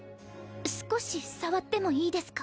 少し触ってもいいですか？